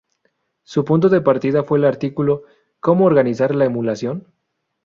Su punto de partida fue el artículo "¿Cómo organizar la emulación?